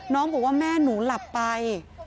น้องบอกว่าแม่หนูหลับไป